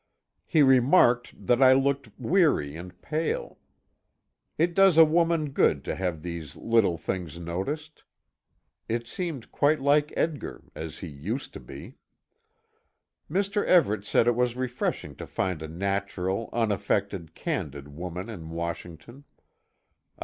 He remarked that I looked weary and pale. It does a woman good to have these little things noticed. It seemed quite like Edgar as he used to be. Mr. Everet said it was refreshing to find a natural, unaffected, candid woman in Washington.